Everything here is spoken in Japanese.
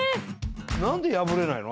何で破れないの？